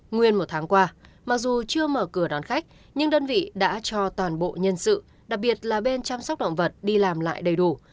nguyên một tháng qua mặc dù chưa mở cửa đón khách nhưng đơn vị đã cho toàn bộ nhân sự đặc biệt là bên chăm sóc động vật đi làm lại đầy đủ